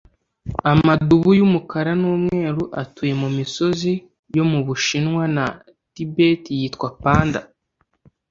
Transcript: Amadubu yumukara numweru atuye mumisozi yo mubushinwa na Tibet yitwa 'panda'.